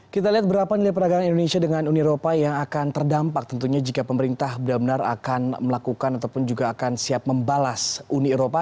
kita lihat berapa nilai peragangan indonesia dengan uni eropa yang akan terdampak tentunya jika pemerintah benar benar akan melakukan ataupun juga akan siap membalas uni eropa